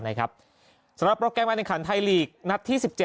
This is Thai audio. สำหรับโปรแกรมแวดนครไทยลีกนัดที่๑๗